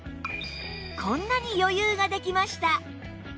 こんなに余裕ができました！